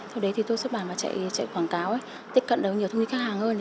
thôi đấy tôi xuất bản và chạy quảng cáo tiếp cận được nhiều thông tin khách hàng hơn